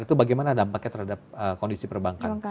itu bagaimana dampaknya terhadap kondisi perbankan